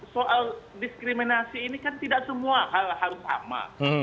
soal diskriminasi ini kan tidak semua hal harus sama